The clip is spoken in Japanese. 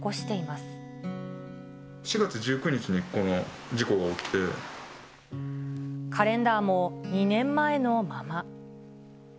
４月１９日にこの事故が起きカレンダーも２年前のまま。